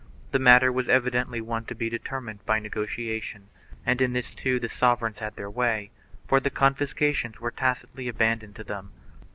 1 The matter was evidently one to be determined by negotiation, and in this too the sov ereigns had their way, for the confiscations were tacitly aban doned to them.